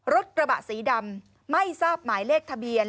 รถกระบะสีดำไม่ทราบหมายเลขทะเบียน